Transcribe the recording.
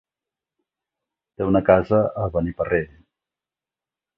Té una casa a Beniparrell.